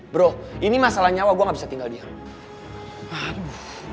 bro ini masalah nyawa gue gak bisa tinggal diam